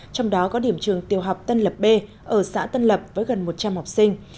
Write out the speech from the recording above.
trong đó có điểm trường tiêu học tân lập b ở xã tân lập với gần một trăm linh học sinh